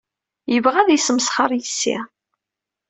Yebɣa ad yesmesxer yes-i.